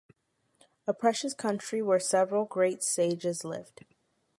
A precious country where several great sages lived